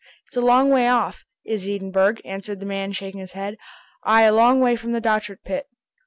"It's a long way off, is Edinburgh!" answered the man shaking his head. "Ay, a long way from the Dochart pit."